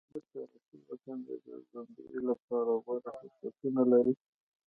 زموږ تاریخي وطن د ګرځندوی لپاره غوره فرصتونه لري.